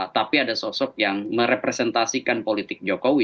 tapi ada sosok yang merepresentasikan politik jokowi